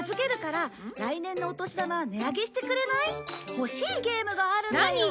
欲しいゲームがあるんだよ。